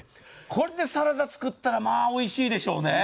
これでサラダを作ったらまあおいしいでしょうね。